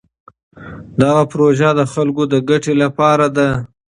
دغه پروژه د خلکو د ګټې لپاره ده.